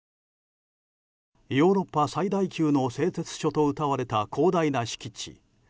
ヨーロッパ最大級の製鉄所とうたわれた広大な敷地。